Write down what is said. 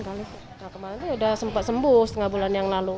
kemarin tuh udah sempat sembuh setengah bulan yang lalu